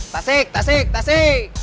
tasik tasik tasik